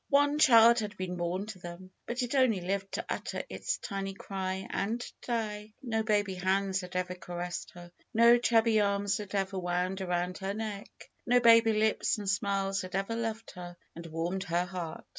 One child had been born to them. But it only lived to utter its tiny cry and die. No baby hands had ever caressed her; no chubby arms had ever wound ai'ound her neck; no baby lips and smiles had ever loved her and warmed her heart.